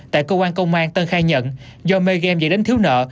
tại cơ quan công an tân khai nhận do may game dạy đánh thiếu nợ